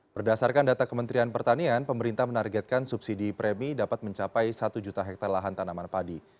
berdasarkan data kementerian pertanian pemerintah menargetkan subsidi premi dapat mencapai satu juta hektare lahan tanaman padi